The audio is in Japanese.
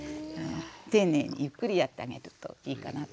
丁寧にゆっくりやってあげるといいかなと。